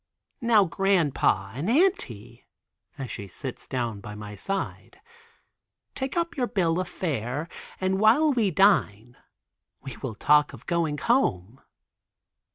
"Now Grandpa and Auntie," as she sits down by my side, "take up your bill of fare, and while we dine, we will talk of going home."